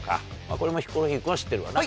これもヒコロヒー君は知ってるわな。